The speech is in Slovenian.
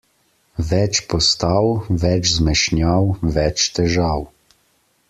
Več postav, več zmešnjav, več težav.